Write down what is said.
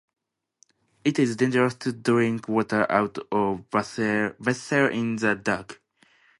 It is dangerous to drink water out of a vessel in the dark.